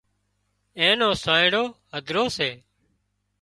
اين نو سانئيڙو هڌرو سي